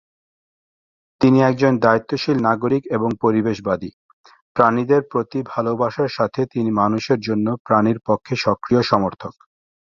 তিনি একজন দায়িত্বশীল নাগরিক এবং পরিবেশবাদী; প্রাণীদের প্রতি ভালবাসার সাথে তিনি মানুষের জন্য প্রাণীর পক্ষে সক্রিয় সমর্থক।